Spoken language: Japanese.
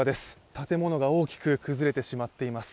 建物が大きく崩れてしまっています